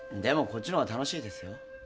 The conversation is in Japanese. でもこっちの方が楽しいですよ。